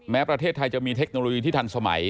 แม้ประเทศไทยจะมีเทคโนโลยีที่ทันสมัย